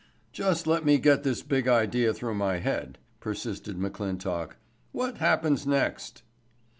"Just let me get this big idea through my head," persisted McClintock. "What happens next?"